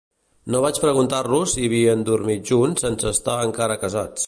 No vaig preguntar-los si havien dormit junts sense estar encara casats.